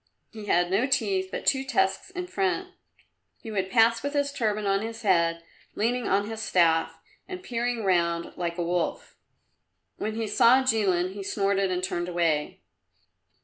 He had no teeth, but two tusks in front. He would pass with his turban on his head, leaning on his staff, and peering round like a wolf. When he saw Jilin he snorted and turned away.